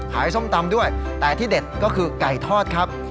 ส้มตำด้วยแต่ที่เด็ดก็คือไก่ทอดครับ